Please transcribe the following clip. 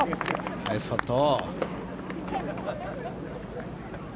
ナイスパット。